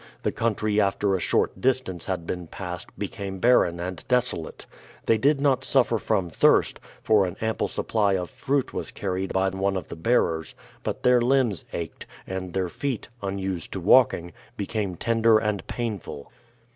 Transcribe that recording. The country after a short distance had been passed became barren and desolate. They did not suffer from thirst, for an ample supply of fruit was carried by one of the bearers, but their limbs ached, and their feet, unused to walking, became tender and painful.